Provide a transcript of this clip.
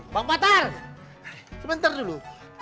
pak patar sebentar dulu